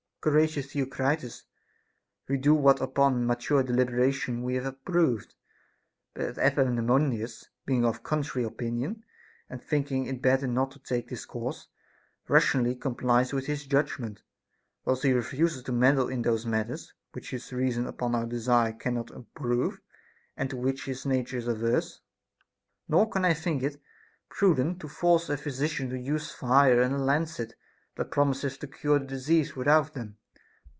And I replied : Courageous Theocritus, we do what upon mature deliberation we have approved, but Epaminondas, being of a contrary opinion and thinking it better not to take this course, rationally complies with his judgment, whilst he refuseth to meddle in those matters which his reason upon our desire cannot approve, and to \vhich his nature is averse. Nor can I think it prudent to force a physician to use fire and a lancet, that promiseth to cure the disease without them.